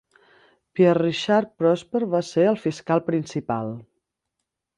Pierre-Richard Prosper va ser el fiscal principal.